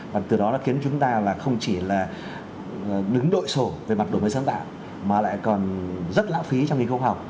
và từ đó nó khiến chúng ta là không chỉ là đứng đội sổ về mặt đồ mới sáng tạo mà lại còn rất lãng phí trong nghiên cứu khoa học